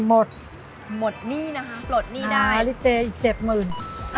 หมดหนี้นะฮะปลดหนี้ได้อ่าริเกย์อีก๗๐๐๐๐บาท